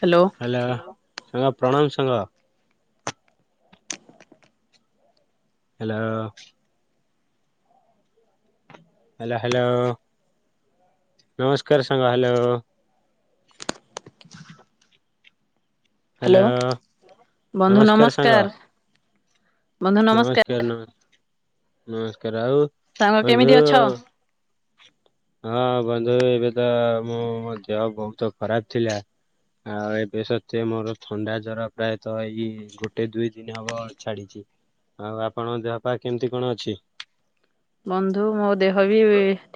Hello. Hello ସାଙ୍ଗ ପ୍ରଣାମ ସାଙ୍ଗ। ହେଲୋ ହ୍ୟାଲୋ ହ୍ୟାଲୋ ନମସ୍କାର ସାଙ୍ଗ ହ୍ୟାଲୋ। ହ୍ୟାଲୋ ବନ୍ଧୁ ନମସ୍କାର। ନମସ୍କାର ନମ ନମସ୍କାର ଆଉ ସାଙ୍ଗ ବନ୍ଧୁ କେମିତି ଅଛ? ହଁ ବନ୍ଧୁ ଏବେ ତ ମୋ ମୋ ଦେହ ବହୁତ ଖରାପ ଥିଲା। ଆଉ ଏବେ ସତ୍ୱେ ମୋର ଥଣ୍ଡା ଜର ପ୍ରାୟତଃ ଏଇ ଗୋଟେ ଦୁଇ ଦିନ ହବ ଛାଡିଛି। ଆଉ ଆପଣଙ୍କ ଦେହ ପାହ କେମିତି କଣ ଅଛି? ବନ୍ଧୁ ମୋ ଦେହ ବି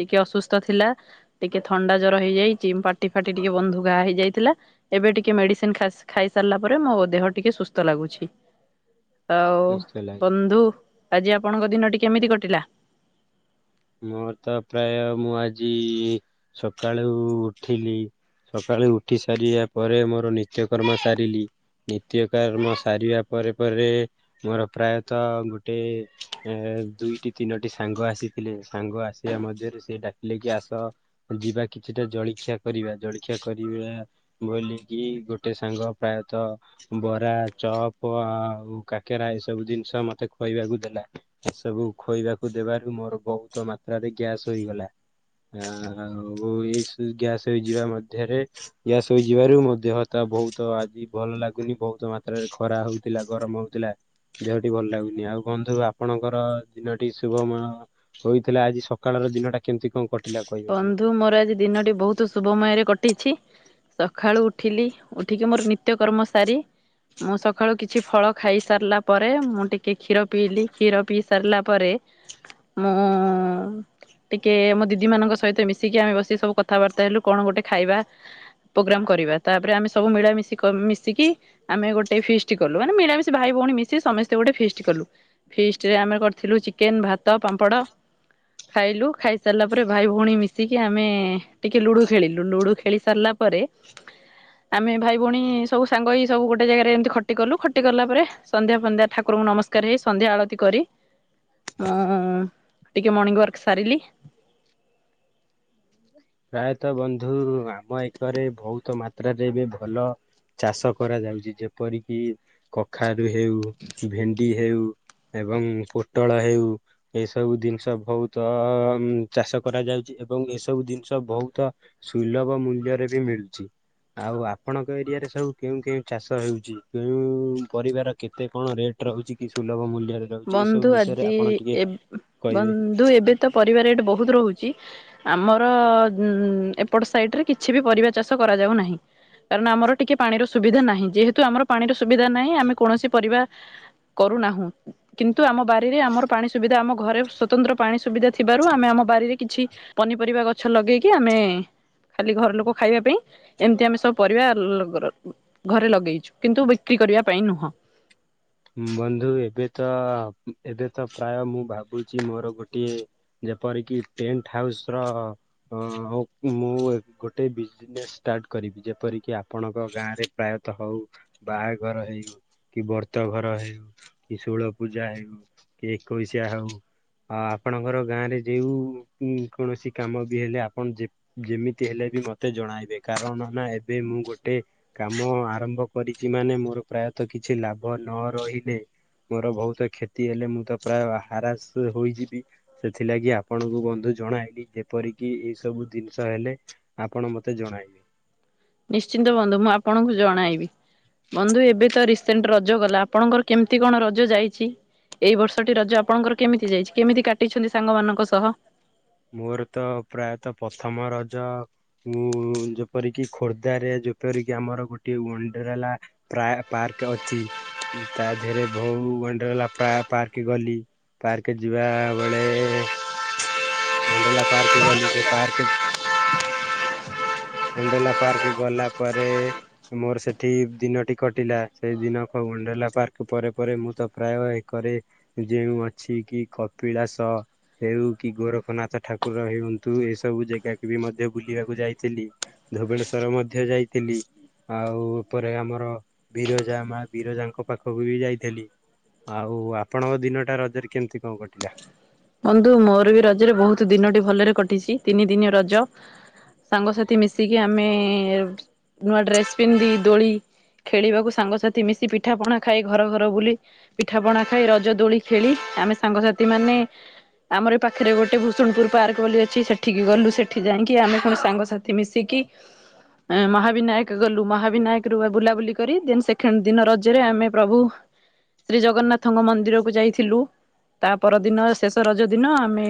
ଟିକେ ଅସୁସ୍ଥ ଥିଲା। ଟିକେ ଥଣ୍ଡା ଜର ହେଇଯାଇଛି ପାଟି ଫାଟି ଟିକେ ବନ୍ଧୁ ଘା ହେଇଯାଇଥିଲା। ଏବେ ଟିକେ ମେଡିସିନ ଖାଇସାରିଲା ପରେ ମୋ ଦେହ ଟିକେ ସୁସ୍ଥ ଲାଗୁଛି। ଆଉ ସୁସ୍ଥ ହେଲା? ବନ୍ଧୁ ଆଜି ଆପଣଙ୍କ ଦିନଟି କେମିତି କଟିଲା? ମୋର ତ ପ୍ରାୟ ମୁଁ ଆଜି ସକାଳୁ ଉଠିଲି। ସକାଳୁ ଉଠି ସାରିବା ପରେ ମୋର ନିତ୍ୟକର୍ମ ସାରିଲି। ନିତ୍ୟକମ ସାରିବା ପରେ ପରେ ମୋର ପ୍ରାୟତଃ ଗୋଟେ ଦୁଇଟି ତିନୋଟି ସାଙ୍ଗ ଆସି ଥିଲେ ସାଙ୍ଗ ଆସିବା ମଧ୍ୟରେ ସେ ଡାକିଲେ କି ଆସ ଯିବା କିଛିଟା ଜଳଖିଆ କରିବା ଜଳଖିଆ କରିବା। ବଲିକି ଗୋଟେ ସାଙ୍ଗ ପ୍ରାୟତଃ ବରା ଚପ ଆଉ କାକେରା ଏ ସବୁ ଜିନିଷ ମତେ ଖୁଆଇବାକୁ ଦେଲା। ଏସବୁ ଖୁଇବାକୁ ଦେବାରୁ ମୋର ବହୁତ ମାତ୍ରାରେ ଗ୍ୟାସ୍ ହେଇଗଲା। ଆ ଆଉ ଏଇ ଗ୍ୟାସ ହେଇଯିବା ମଧ୍ୟରେ। ଗ୍ୟାସ ହେଇଯିବାରୁ ମୋ ଦେହତା ବହୁତ ଆଜି ଭଲ ଲାଗୁନି ବହୁତ ମାତ୍ରାରେ ଖରା ହଉଛି। ଥିଲା ଗରମ ହଉଥିଲା ଦେହଟି ଭଲ ଲାଗୁନି ଆଉ କୁହନ୍ତୁ ଆପଣଙ୍କର ଦିନଟି ଶୁଭମୟ। କହିଥିଲା ଆଜି ସକାଳର ଦିନଟା କେମିତି କଣ କଟି ବନ୍ଧୁ ମୋର ଆଜି ଦିନଟି ବହୁତ ଶୁଭମୟରେ କଟିଛି ସକାଳୁ ଉଠିଲି। ଉଠିକି ମୋର ନିତ୍ୟ କର୍ମ ସାରୀ ମୁଁ ସକାଳୁ କିଛି ଫଳ ଖାଇ ସାରିଲା ପରେ ମୁଁ ଟିକେ କ୍ଷୀର ପିଇଲି କ୍ଷୀର ପିଇ ସାରିଲା ପରେ ହ ଟିକେ ମ ଦିଦି ମାନଙ୍କ ସହିତ ମିଶିକି ଆମେ ବସି ସବୁ କଥାବାର୍ତ୍ତା ହେଲୁ କଣ ଗୋଟେ ଖାଇବା। ପ୍ରୋଗ୍ରାମ କରିବା ତାପରେ ଆମେ ସବୁ ମିଳାମିଶ ମିଶିକି। ଆମେ ଗୋଟେ ଫିଷ୍ଟ କଲୁ ମାନେ ମିଳାମିଶି ଭାଇ ଭଉଣୀ ମିଶି ସମସ୍ତେ ଗୋଟେ ଫେଷ୍ଟ କଲୁ। ଫିଷ୍ଟରେ ଆମେ କରିଥିଲୁ ଚିକେନ ଭାତ ପାମ୍ପଡ ଖାଇଲୁ ଖାଇସାରିଲା ପରେ ଭାଇ ପୁଣି ମିଶିକି ଆମେ ଟିକେ ଲୁଡୁ ଖେଳିଲୁ ଲୁଡୁ ଖେଳି ସାରିଲା ପରେ ଆମେ ଭାଇ ଭଉଣୀ ସବୁ ସାଙ୍ଗ ଏଇ ସବୁ ଗୋଟେ ଜାଗାରେ ଏମିତି ଖଟି କଲୁ ଖଟି କଲା ପରେ ସନ୍ଧ୍ୟା ଫନ୍ଧ୍ୟା ଠାକୁରଙ୍କୁ ନମସ୍କାର ହେଇ ସନ୍ଧ୍ୟା ଆଳତି କରି ମୁଁ ଟିକେ ମର୍ଣ୍ଣିିଂ ୱାର୍କ ସାରିଲି। ହ ପ୍ରାୟତଃ ବନ୍ଧୁ ଆମ ଏକରେ ବହୁତ ମାତ୍ରାରେ ଏବେ ଭଲ ଚାଷ କରାଯାଉଛି ଯେପରିକି କଖାରୁ ହେଉ ଭେଣ୍ଡି ହେଉ। ଏବଂ ପୋଟଳ ହେଉ। ଏସବୁ ଜିନିଷ ବହୁତ ଚାଷ କରାଯାଉଛି ଏବଂ ଏସବୁ ଜିନିଷ ବହୁତ ସୁଲଭ ମୂଲ୍ୟରେ ବି ମିଳୁଛି। ଆଉ ଆପଣଙ୍କ ଏରିଆ ରେ ସବୁ କେଉଁ କେଉଁ ଚାଷ ହେଉଛି କେଉଁ ପରିବାର କେତେ କଣ ରେଟ୍। ରହୁଛି କି ସୁଲଭ ମୂଲ୍ୟରେ। ରହୁଛି ଏସବୁ ବନ୍ଧୁ ବିଷୟରେ ଆଜି ଆପଣ ଟିକେ ଏବ କହିବେ। ବନ୍ଧୁ ଏବେ ତ ପରିବା ରେଟ ବହୁତ ରହୁଛି। ଆମର ଏପଟ ସାଇଟରେ କିଛି ବି ପରିବା ଚାଷ କରାଯାଉ ନାହିଁ। କାରଣ ଆମର ଟିକେ ପାଣିର ସୁବିଧା ନାହିଁ ଯେହେତୁ ଆମର ପାଣିର ସୁବିଧା ନାହିଁ ଆମେ କୌଣସି ପରିବା କରୁନାହୁଁ କିନ୍ତୁ ଆମ ବାରିରେ ଆମର ପାଣି ସୁବିଧା ଆମ ଘରେ ସ୍ଵତନ୍ତ୍ର ପାଣି ସୁବିଧା ଥିବାରୁ ଆମେ ଆମ ବାରିରେ କିଛି ପନିପରିବା ଗଛ ଲଗେଇକି ଆମେ ଖାଲି ଘର ଲୋକ ଖାଇବା ପାଇଁ ଏମିତି ଆମେ ସବୁ ପରିବା ଘରେ ଲଗେଇଛୁ କିନ୍ତୁ ବିକ୍ରି କରିବା ପାଇଁ ନୁହଁ। ବନ୍ଧୁ ଏବେ ତ ଏବେ ତ ପ୍ରାୟ ମୁଁ ଭାବୁଛି ମୋର ଗୋଟିଏ ଯେପରିକି ଟେଣ୍ଟ ହାଉସ ର ମୁଁ ଗୋଟେ ବିଜନେସ୍ ଷ୍ଟାର୍ଟ କରିବି ଯେପରିକି ଆପଣଙ୍କ ଗାଁରେ ପ୍ରାୟତଃ ହଉ ବାହାଘର ହେଉ କି ବ୍ରତ ଘର ହେଉ କି ଷୋଳ ପୂଜା ହେଉ ଏକଉସୀଆ ହଉ। ଆ ଆପଣଙ୍କର ଗାଁରେ ଯେଉଁ କୌଣସି କାମ ବି ହେଲେ ଆପଣ ଯେ ଯେମିତି ହେଲେ ବି ମତେ ଜଣାଇବେ କାରଣ ନା ଏବେ ମୁଁ ଗୋଟେ କାମ ଆରମ୍ଭ କରିଛି ମାନେ ମୋର ପ୍ରାୟତଃ କିଛି ଲାଭ ନ ରହିଲେ। ମୋର ବହୁତ କ୍ଷତି ହେଲେ ମୁଁ ତ ପ୍ରାୟ ହାରାସ ହୋଇଯିବି। ସେଥିଲାଗି ଆପଣଙ୍କୁ ବନ୍ଧୁ ଜଣାଇଲି ଯେପରିକି ଏଇ ସବୁ ଜିନିଷ ହେଲେ ଆପଣ ମତେ ଜଣାଇବେ। ନିଶ୍ଚିନ୍ତ ବନ୍ଧୁ ମୁଁ ଆପଣଙ୍କୁ ଜଣାଇବି। ବନ୍ଧୁ ଏବେ ତ ରିସେଣ୍ଟ ରଜ ଗଲା ଆପଣଙ୍କର କେମିତି କଣ ରଜ ଯାଇଛି? ଏଇ ବର୍ଷଟି ରଜ ଆପଣଙ୍କର କେମିତି ଯାଇଛି କେମିତି କାଟିଛନ୍ତି ସାଙ୍ଗମାନଙ୍କ ସହ? ମୋର ତ ପ୍ରାୟତଃ ପ୍ରଥମ ରଜ ମୁଁ ଯେପରିକି ଖୋର୍ଦ୍ଧରେ ଯେପରିକି ଆମର ଗୋଟେ ୱାଣ୍ଡେରିଲା ପ୍ରାୟ ପାର୍କ ଅଛି ତା ଦେହରେ ବୋହୁ ୱାଣ୍ଡେରେଲା ଗଲା ପ୍ରାୟ ପାର୍କ ଗଲି। ପାର୍କ ଯିବା ବେଳେ ୱାଣ୍ଡେରେଲା ପାର୍କ ଗଲି ସେ ପାର୍କ ହ ହୁଁ ୱାଣ୍ଡେରେଲା ପାର୍କ ଗଲା ପରେ ମୋର ସେଠି ଦିନଟି କଟିଲା ସେଇ ୱାଣ୍ଡେରେଲା ପାର୍କ ପରେ ପରେ ମୁଁ ତ ପ୍ରାୟ ଏକରେ ଯେଉଁ ଅଛି କି କପିଳାସ ହେଉ କି ଗୋର ଜଗନ୍ନାଥ ଠାକୁର ହୁଅନ୍ତୁ ଏସବୁ ଜାଗାକୁ ବି ମଧ୍ୟ ବୁଲିବାକୁ ଯାଇଥିଲି। ଧବଲେଶ୍ଵର ମଧ୍ୟ ଯାଇଥିଲି। ଆଉ ଏପରେ ଆମର ବିରଜା ମା ବିରଜାଙ୍କ ପାଖକୁ ବି ଯାଇଥିଲି। ଆଉ ଆପଣଙ୍କ ଦିନ ଟା ରଜରେ କେମିତି କଣ କଟିଲା? ବନ୍ଧୁ ମୋର ବି ରଜରେ ବୋହୁତ ଦିନଟି ଭଲରେ କଟିଛି ତିନି ଦିନିଆ ରଜ। ସାଙ୍ଗସାଥି ମିଶିକି ଆମେ ନୂଆ ଡ୍ରେସ ପିନ୍ଧି ଦୋଳି। ଖେଳିବାକୁ ସାଙ୍ଗସାଥି ମିଶି ପିଠା ପଣା ଖାଇ ଘର ଘର ବୁଲି ପିଠା ପଣା ଖାଇ ରଜ ଦୋଳି ଖେଳି ଆମେ ସାଙ୍ଗସାଥି ମାନେ- ଆମର ପାଖରେ ଗୋଟେ ଭୂଷୁଣପୁର ପାର୍କ ବୋଲି ଅଛି ସେଠିକି ଗଲୁ ସେଠି ଯାଇକି ଆମେ କଣ ସାଙ୍ଗସାଥି ମିଶିକି ମହାବିନାୟକ ଗଲୁ ମହାବିନାୟକ ରୁ ବୁଲାବୁଲି କରି ଦି ସେକେଣ୍ଡ ଦିନ ରଜରେ ଆମେ ପ୍ରଭୁ ଶ୍ରୀ ଜଗନ୍ନାଥଙ୍କ ମନ୍ଦିରକୁ ଯାଇଥିଲୁ ତା ପର ଦିନ ଶେଷ ରଜ ଦିନ ଆମେ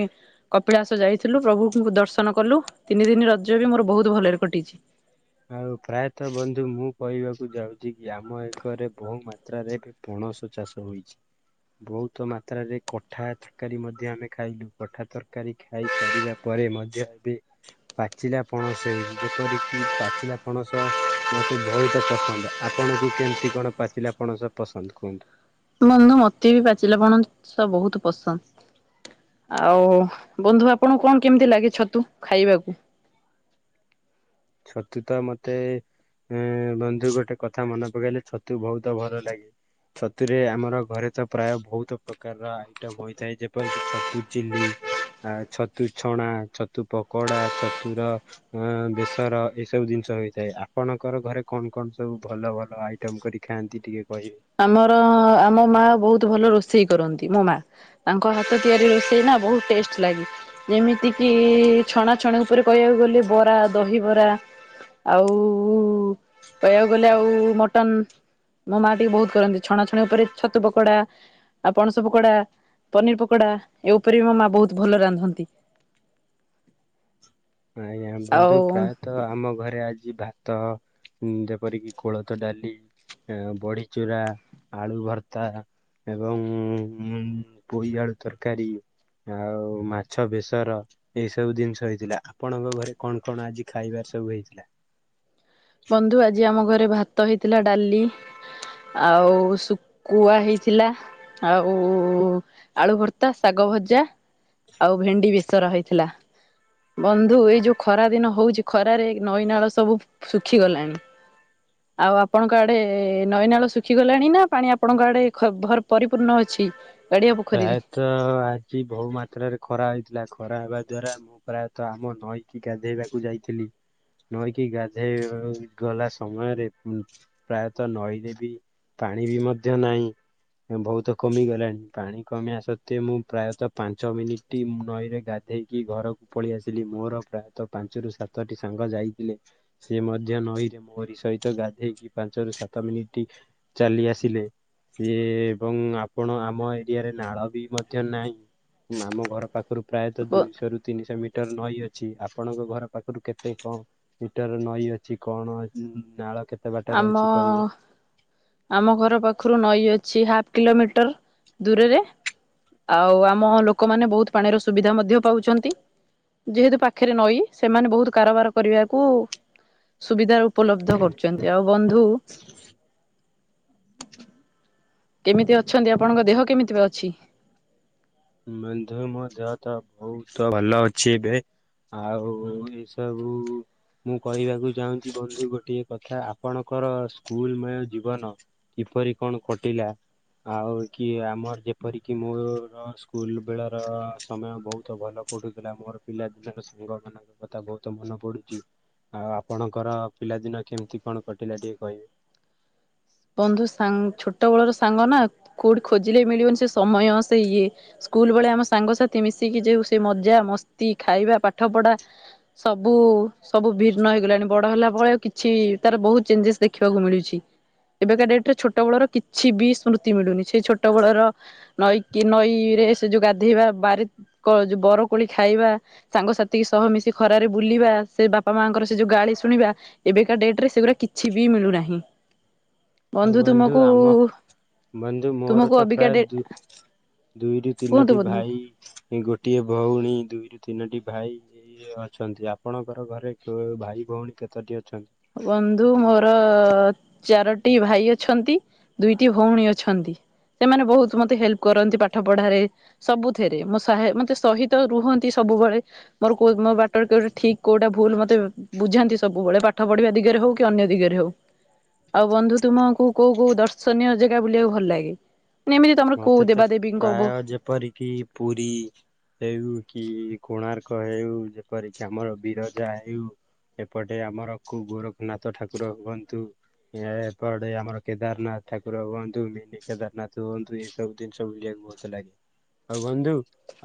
କପିଳାସ ଯାଇଥିଲୁ ପ୍ରଭୁଙ୍କୁ ଦର୍ଶନ କଲୁ ତିନି ଦିନ ରଜ ବି ମୋର ବୋହୁତ ଭଲରେ କଟିଛି। ଆଉ ପ୍ରାୟତଃ ବନ୍ଧୁ ମୁଁ କହିବାକୁ ଯାଉଚି କି ଆମ ଏକରେ ବୋହୁ ମାତ୍ରାରେ ଏବେ ପଣସ ଚାଷ ହୋଇଚି ବୋହୁତ ମାତ୍ରାରେ କଠା ତରକାରୀ ମଧ୍ୟ ଆମେ ଖାଇଲୁ କଠା ତରକାରୀ ଖାଇ ସାରିବା ପରେ ମଧ୍ୟ ଏବେ ପାଚିଲା ପଣସ ହେଉଚି ଯେପରିକି ପାଚିଲା ପଣସ ମତେ ବୋହୁତ ପସନ୍ଦ ଆପଣଙ୍କୁ କେମିତି କଣ ପାଚିଲା ପଣସ ପସନ୍ଦ କୁହନ୍ତୁ? ବନ୍ଧୁ ମତେ ବି ପାଚିଲା ପଣସ ବୋହୁତ ପସନ୍ଦ। ଆଉ ବନ୍ଧୁ ଆପଣଙ୍କୁ କଣ କେମିତି ଲାଗେ ଛତୁ ଖାଇବାକୁ? ଛତୁ ତ ମତେ ବନ୍ଧୁ ଗୋଟେ କଥା ମନେ ପକେଇଲେ ଛତୁ ବୋହୁତ ଭଲ ଲାଗେ। ଛତୁରେ ଆମର ଘରେ ତ ପ୍ରାୟ ବୋହୁତ ପ୍ରକାରର ଆଇଟମ ହୋଇଥାଏ ଯେପରିକି ଛତୁ ଚିଲି। ଆ ଛତୁ ଛଣା ଛତୁ ପକୋଡା ଛତୁର ଅ ବେଶ ତର ଏ ସବୁ ଜିନିଷ ହେଥାଏ ଆପଣଙ୍କର ଘରେ କଣ କଣ ସବୁ ଭଲ ଭଲ ଆଇଟମ କରି ଖାଆନ୍ତି ଟିକେ କହିବେ? ଆମର ଆମ ମା ବୋହୁତ ଭଲ ରୋଷେଇ କରନ୍ତି ମୋ ମା। ତାଙ୍କ ହାତ ତିଆରି ରୋଷେଇ ନା ବୋହୁତ ଟେଷ୍ଟ ଲାଗେ। ଯେମିତିକି ଛଣାଛଣି ଉପରେ କହିବାକୁ ଗଲେ ବରା ଦହିବରା ଆଉ କହିବାକୁ ଗଲେ ଆଉ ମଟନ ମୋ ମା ବୋହୁତ କରନ୍ତି ଛଣାଛଣି ଉପରେ ଛତୁ ପକୋଡା ଆଉ ପଣସ ପକୋଡା ପନିର ପକୋଡା ଏ ଉପରେ ବି ମୋ ମା ବୋହୁତ ଭଲ ରାନ୍ଧନ୍ତି। ନାଇଁ ଆଉ ବନ୍ଧୁ ପ୍ରାୟ ତ୍ ତ ଆମ ଘରେ ଆଜି ଭାତ ଯେପରିକି କୋଳଥ ଡାଲି ବଢି ଚୁରା ଆଳୁ ଭର୍ତ୍ତା। ଏବଂ ପୋଇ ଆଳୁ ତରକାରୀ। ଆଉ ମାଛ ବେସର ଏଇ ସବୁ ଜିନିଷ ହେଇଥିଲା। ଆପଣଙ୍କ ଘରେ କଣ କଣ ଆଜି ଖାଇବାରେ ସବୁ ହେଇଥିଲା? ବନ୍ଧୁ ଆଜି ଆମ ଘରେ ଭାତ ହେଇଥିଲା ଡାଲି ଆଉ ସୁ କୁଆ ହେଇଥିଲା ଆଉ ଆଳୁ ଭର୍ତ୍ତା ଶାଗ ଭଜା। ଆଉ ଭେଣ୍ଡି ବେଶର ହେଇଥିଲା। ବନ୍ଧୁ ଏଇ ଯୋଉ ଖରା ଦିନ ହଉଛି ଖରାରେ ନଈନାଳ ସବୁ ଶୁଖିଗଲାଣି। ହ ଆଉ ଆପଣଙ୍କ ଆଡେ ନଈନାଳ ଶୁଖିଗଲାଣି ନା ପାଣି ଆପଣଙ୍କ ଆଡେ ପରିପୂର୍ଣ୍ଣ ଅଛି? ଗାଡିଆ ପୋଖରୀରେ ପ୍ରାୟତଃ ଆଜି ବହୁ ମାତ୍ରାରେ ଖରା ହେଇଥିଲା ଖରା ହେବା ଦ୍ଵାରା ମୁଁ ପ୍ରାୟତଃ ଆମ ନଈକି ଗାଧେଇବାକୁ ଯାଇଥିଲି। ନଈକି ଗାଧେଇ ଗଲା ସମୟରେ ପ୍ରାୟତଃ ନଈରେ ବି ପାଣି ବି ମଧ୍ୟ ନାହିଁ ବହୁତ କମିଗଲାଣି। ପାଣି କମିବା ସତ୍ତ୍ୱେ ମୁଁ ପ୍ରାୟତଃ ପାଞ୍ଚ ମିନିଟ୍ ମୁ ନଈରେ ଗାଧୋଇକି ଘରକୁ ପଳେଇ ଆସିଲି ମୋର ପ୍ରାୟତଃ ପାଞ୍ଚ ରୁ ସାତଟି ସାଙ୍ଗ ଯାଇଥିଲେ। ସେ ମଧ୍ୟ ନଈରେ ମୋହରି ସହିତ ଗାଧେଇକି ପାଞ୍ଚରୁ ସାତ ମିନିଟ୍ ଚାଲି ଆସିଲେ ସିଏ ଏବଂ ଆପଣ ଆମ ଏଆରେ ନାଳ ବି ମଧ୍ୟ ନାହିଁ ଆମ ଘର ପାଖରୁ ପ୍ରାୟତଃ ବ ଦୁଇଶହ ରୁ ତିନିଶହ ମିଟର ନଈ ଅଛି ଆପଣଙ୍କ ଘର ପାଖରୁ କେତେ କଣ? ଇଟର ନଈ ଅଛି କଣ ଅଛି ନାଳ କେତେ? ବାଟରେ ଆମ। ଅଛି କହିବେ? ଆମ ଘର ପାଖରୁ ନଈ ଅଛି ହାଫ କିଲୋମିଟର ଦୂରରେ। ଆଉ ଆମ ଲୋକମାନେ ବହୁତ ପାଣିର ସୁବିଧା ମଧ୍ୟ ପାଉଛନ୍ତି। ଯେହେତୁ ପାଖରେ ନଈ ସେମାନେ ବହୁତ କାରବାର କରିବାକୁ ସୁବିଧା ଉପଲବ୍ଧ। ଛନ୍ତି ଆଉ ବନ୍ଧୁ- କେମିତି ଅଛନ୍ତି ଆପଣଙ୍କ ଦେହ କେମିତି ବା ଅଛି? ବନ୍ଧୁ ମୋ ଦେହ ତ ବହୁତ ଭଲ ଅଛି ଏବେ। ଆଉ ଏଇ ସବୁ ମୁଁ କହିବାକୁ ଚାହୁଁଛି ବନ୍ଧୁ ଗୋଟିଏ କଥା ଆପଣଙ୍କର ସ୍କୁଲମୟ ଜୀବନ। କିପରି କଣ କଟିଲା ଆଉ କି ଆମର ଯେପର କିି ମୋର ସ୍କୁଲ ବେଳର ସମୟ ବହୁତ ଭଲ ପଢ଼ୁଥିଲା ମୋର ପିଲା ଦିନର ସାଙ୍ଗ ମାନଙ୍କୁ କଥା ବହୁତ ମନେ ପଡୁଛି ଆଉ ଆପଣଙ୍କର ପିଲାଦିନ କେମିତି କଣ କଟିଲା ଟିକେ କହିବେ? ବନ୍ଧୁ ସାଂ ଛୋଟ ବେଳର ସାଙ୍ଗ ନା କୋଉଠି ଖୋଜିଲେ ମିଳିବନି ସେ ସମୟ ସେ ଇଏ। ସ୍କୁଲ ବେଳେ ଆମ ସାଙ୍ଗସାଥି ମିଶିକି ଯୋଉ ସେ ମଜା ମସ୍ତି ଖାଇବା ପାଠ ପଢା। ସବୁ ସବୁ ଭିନ୍ନ ହେଇଗଲାଣି ବଡ ହେଲା ଭଳେ ଆଉ କିଛି ତାର ବହୁତ ଚେଞ୍ଜେସ ଦେଖିବାକୁ ମିଳୁଛି। ଏବେକା ଡେଟରେ ଛଟବେଳର କିଛି ବି ସ୍ମୃତି ମିଳୁନି ସେ ଛୋଟବେଳର ନଈକି ନଈରେ ସେ ଯୋଉ ଗାଧେଇବା ବାରି ଯୋଉ ବର କୋଳି ଖାଇବା। ସାଙ୍ଗସାଥି ସହ ମିଶି ଖରାରେ ବୁଲିବା ସେ ବାପା ମାଙ୍କର ସେ ଯୋଉ ଗାଳି ଶୁଣିବା। ଏବେକା ଡେଟ ରେ ସେଗୁଡ଼ା କିଛି ବି ମିଳୁନାହିଁ। ଆଉ ବନ୍ଧୁ ଆମ ବନ୍ଧୁ ମୋର ତୁମକୁ ତ ଅବିକା ପ୍ରାୟ ଡେ ଦ ଦୁଇରୁ କୁହନ୍ତୁ ତିନୋଟି ବନ୍ଧୁ। ଭାଇ ଗୋଟିଏ ଭଉଣୀ ଦୁଇରୁ ତିନୋଟି ଭାଇ। ଅଛନ୍ତି ଆପଣଙ୍କର ଘରେ ଭାଇ ଭଉଣୀ କେତୋଟି ଅଛନ୍ତି? ବନ୍ଧୁ ମୋର ଚାରୋଟି ଭାଇ ଅଛନ୍ତି। ଦୁଇଟି ଭଉଣୀ ଅଛନ୍ତି ସେମାନେ ବହୁତ ମତେ ହେଲ୍ପ କରନ୍ତି ପାଠ ପଢାରେ। ସବୁଥିରେ ମୋ ସହାୟ ମତେ ସହିତ ରୁହନ୍ତି ସବୁବେଳେ। ମୋର କଉ ମୋ ବାଟରେ କୋଉଟା ଠିକ କୋଉଟା ଭୁଲ ମତେ ବୁଝାନ୍ତି ସବୁବେଳେ ବାଟ ପାଠ ପଢିବା ଦିଗରେ ହଉ କି ଅନ୍ୟ ଦିଗରେ ହଉ। ଆଉ ବନ୍ଧୁ ତୁମକୁ କୋଉ କୋଉ ଦର୍ଶନୀୟ ଜାଗା ବୁଲିବାକୁ ଭଲ ଲାଗେ? ଏମିତି ତମର କଉ ଦେବା ଦେବୀଙ୍କୁ କବୁ ପରିକି ପୁରୀ ହେଉ କି କୋଣାର୍କ ହେଉ ଯେପରିକି ଆମର ବିରଜା ହେଉ। ଏପଟେ ଆମର ଗୋରଖନାଥ ଠାକୁର ହୁଅନ୍ତୁ। ଏହା ଏପଟେ ଆମର କେଦାରନାଥ ଠାକୁର ହୁଅନ୍ତୁ, ମିନି କେଦାରନାଥ ହୁଅନ୍ତୁ। ଏସବୁ ଜିନିଷ ବୁଲିବାକୁ ମଜା ଲାଗେ। ଆଉ ବନ୍ଧୁ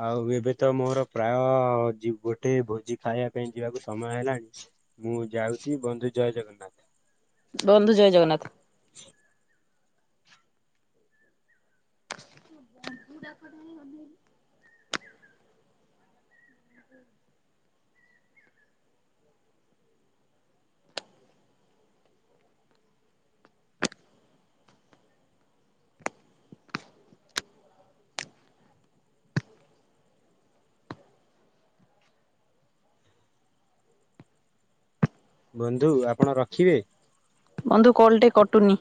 ଆଉ ଏବେ ତ ମୋର ପ୍ରାୟ ଗୋଟେ ଭୋଜି ଖାଇବା ପାଇଁ ଯିବାକୁ ସମୟ ହେଲାଣି। ମୁଁ ଯାଉଚି ବନ୍ଧୁ ଜୟ ଜଗନ୍ନାଥ। ବନ୍ଧୁ ଜୟ ଜଗନ୍ନାଥ। [unintelligible] ବନ୍ଧୁ ଆପଣ ରଖିବେ? ବନ୍ଧୁ କଲ ଟି କଟୁନି।